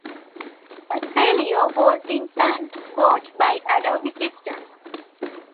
Accelio was in turn bought by Adobe Systems.